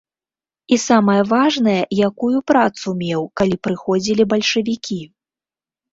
І самае важнае, якую працу меў, калі прыходзілі бальшавікі.